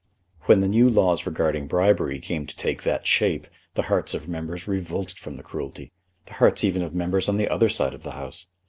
When the new laws regarding bribery came to take that shape the hearts of members revolted from the cruelty, the hearts even of members on the other side of the House.